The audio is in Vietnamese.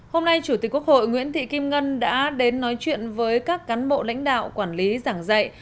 hôm nay chủ tịch quốc hội nguyễn thị kim ngân đã đến nói chuyện với các cán bộ lãnh đạo quản lý giảng dạy